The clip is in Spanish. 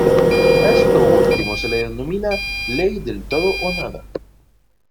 A esto último se lo denomina Ley del todo o nada.